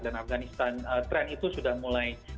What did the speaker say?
dan afghanistan trend itu sudah mulai